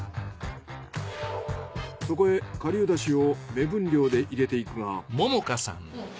そこへ顆粒だしを目分量で入れていくが。